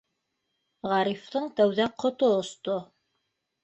Ғарифтың тәүҙә ҡото осто.